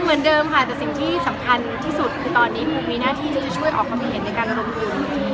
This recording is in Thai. เหมือนเดิมค่ะแต่สิ่งที่สำคัญที่สุดคือตอนนี้ปูมีหน้าที่ที่จะช่วยออกความคิดเห็นในการลงทุน